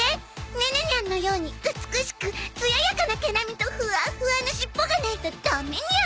ネネニャンのように美しくつややかな毛並みとフワフワの尻尾がないとダメニャン！